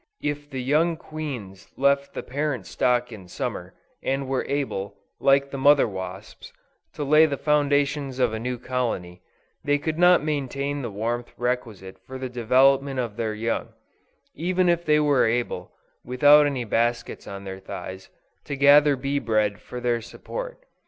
If the young queens left the parent stock in Summer, and were able, like the mother wasps, to lay the foundations of a new colony, they could not maintain the warmth requisite for the development of their young, even if they were able, without any baskets on their thighs, to gather bee bread for their support.